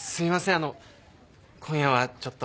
あの今夜はちょっと。